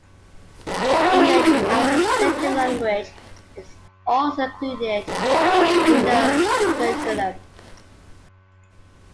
English-as-a-Second-Language is also included in the curriculum.